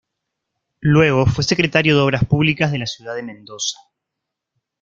Luego fue secretario de Obras Públicas de la Ciudad de Mendoza.